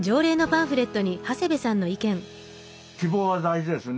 希望は大事ですね。